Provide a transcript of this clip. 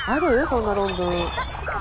そんな論文。